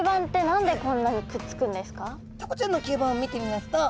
タコちゃんの吸盤を見てみますと